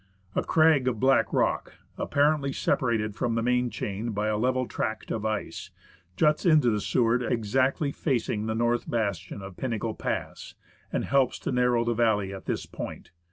A crag of black rock, ap parently separated from the main chain by a level tract of ice, juts into the Seward exactly facing the north bastion of Pinnacle Pass, and helps to narrow the valley at this point.